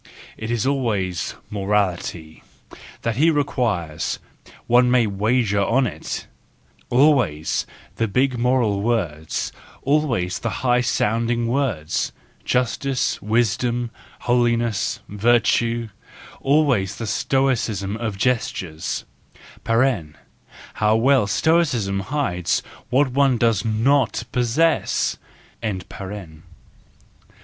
It is always morality that he requires, one may wager on it; always the big moral words, always the high sounding words: justice, wisdom, holiness, virtue; always the stoicism of gestures (how well stoicism hides what one does not $i6 THE JOYFUL WISDOM, V possess!)